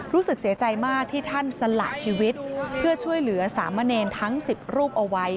รู้สึกเสียใจมากที่ท่านสละชีวิตเพื่อช่วยเหลือสามเณรทั้ง๑๐รูปเอาไว้